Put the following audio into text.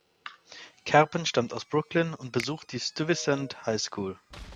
Kerpen stammt aus Brooklyn und besuchte die Stuyvesant High School.